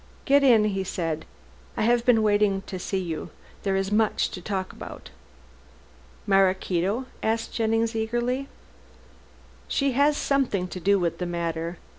"Get in," he said, "I have been waiting to see you. There is much to talk about." "Maraquito?" asked Jennings eagerly. "She has something to do with the matter.